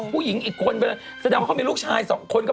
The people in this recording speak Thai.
ผู้หญิงค้นไปเลยครับ